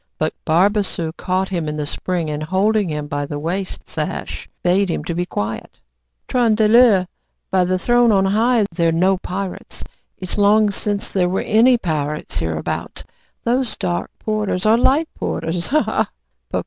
But Barbassou caught him in the spring, and holding him by the waist sash, bade him be quiet. "Tron de ler! by the throne on high! they're no pirates. It's long since there were any pirates hereabout. Those dark porters are light porters. Ha, ha!"